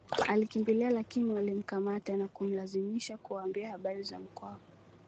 Alikimbia lakini walimkamata na kumlazimisha kuwaambia habari za Mkwawa